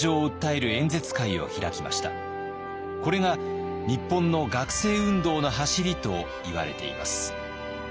これが日本の学生運動のはしりといわれています。